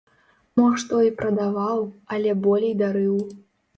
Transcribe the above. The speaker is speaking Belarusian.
Мо што і прадаваў, але болей дарыў.